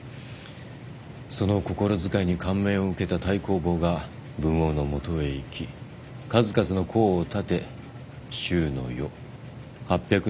その心遣いに感銘を受けた太公望が文王のもとへ行き数々の功を立て周の世８００年の礎を築いたのです。